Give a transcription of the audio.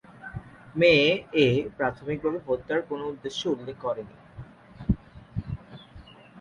মেয়ে এ প্রাথমিকভাবে হত্যার কোন উদ্দেশ্য উল্লেখ করেনি।